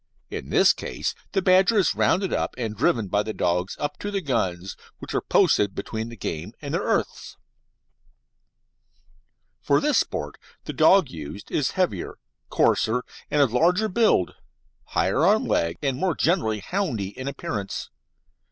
In this case the badger is rounded up and driven by the dogs up to the guns which are posted between the game and their earths. For this sport the dog used is heavier, coarser, and of larger build, higher on the leg, and more generally houndy in appearance.